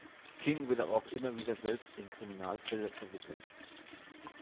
King wird aber auch immer wieder selbst in Kriminalfälle verwickelt.